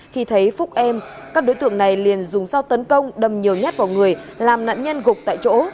khi thấy phúc em các đối tượng này liền dùng dao tấn công đâm nhiều nhát vào người làm nạn nhân gục tại chỗ